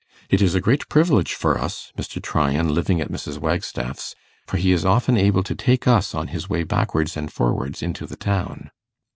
It is a great privilege for us, Mr. Tryan living at Mrs. Wagstaff's, for he is often able to take us on his way backwards and forwards into the town.